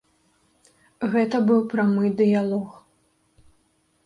Гэта быў прамы дыялог.